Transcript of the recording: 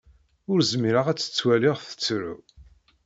Ur zmireɣ ad tt-ttwaliɣ tettru.